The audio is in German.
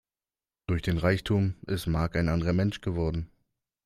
Durch den Reichtum ist Mark ein anderer Mensch geworden.